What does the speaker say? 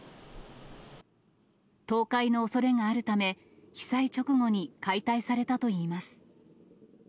倒壊のおそれがあるため、被災直後に解体されたといいます。